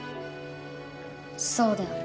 そうである。